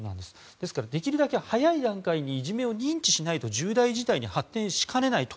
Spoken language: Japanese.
ですから、できるだけ早い段階にいじめを認知しないと重大事態に発展しかねないと。